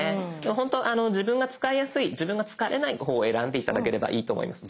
ほんと自分が使いやすい自分が疲れない方を選んで頂ければいいと思います。